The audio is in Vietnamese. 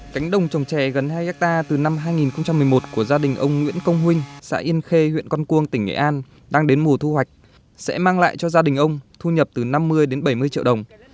cánh đồng trồng chè gần hai hectare từ năm hai nghìn một mươi một của gia đình ông nguyễn công huynh xã yên khê huyện con cuông tỉnh nghệ an đang đến mùa thu hoạch sẽ mang lại cho gia đình ông thu nhập từ năm mươi đến bảy mươi triệu đồng